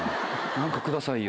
「何かくださいよ」。